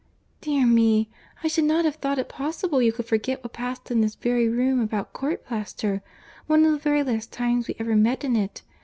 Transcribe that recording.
"Dear me! I should not have thought it possible you could forget what passed in this very room about court plaister, one of the very last times we ever met in it!